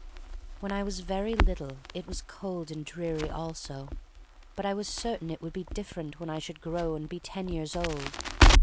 When I was very little, it was cold and dreary also, but I was certain it would be different when I should grow and be ten years old.